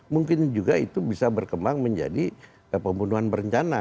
mungkin juga itu bisa berkembang menjadi pembunuhan berencana